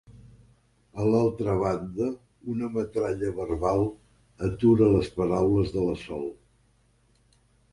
A l'altra banda una metralla verbal atura les paraules de la Sol.